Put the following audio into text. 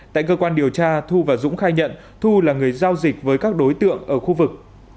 tại cơ quan điều tra thu và dũng khai nhận thu là người giao dịch với các đối tượng ở khu vực